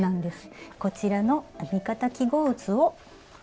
こちらの編み方記号図を。